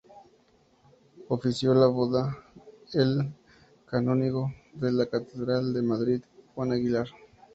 Ofició la boda el canónigo de la catedral de Madrid, Juan Aguilar.